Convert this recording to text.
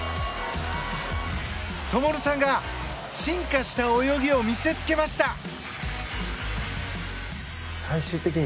灯さんが進化した泳ぎを見せつけました！